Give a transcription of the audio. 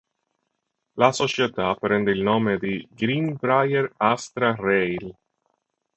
La società prende il nome di "Greenbrier-Astra Rail".